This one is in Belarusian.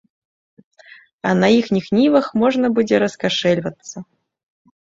А на іхніх нівах можна будзе раскашэльвацца.